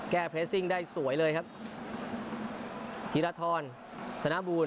เรสซิ่งได้สวยเลยครับธีรทรธนบูร